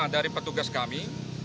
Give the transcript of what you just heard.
lima dari petugas kami